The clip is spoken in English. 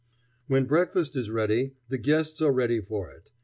When breakfast is ready the guests are ready for it.